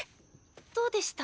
どうでした？